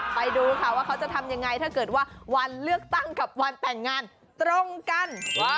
ไปดูค่ะว่าเขาจะทำยังไงถ้าเกิดว่าวันเลือกตั้งกับวันแต่งงานตรงกัน